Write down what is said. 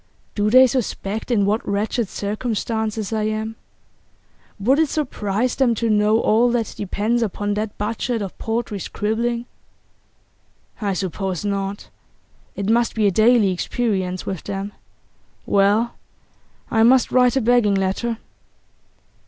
'Do they suspect in what wretched circumstances I am? Would it surprise them to know all that depends upon that budget of paltry scribbling? I suppose not; it must be a daily experience with them. Well, I must write a begging letter.